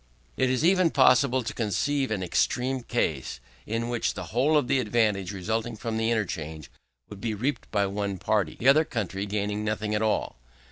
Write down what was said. It is even possible to conceive an extreme case, in which the whole of the advantage resulting from the interchange would be reaped by one party, the other country gaining nothing at all.